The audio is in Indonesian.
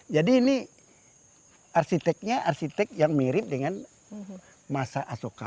jadi ini arsiteknya arsitek yang mirip dengan masa asoka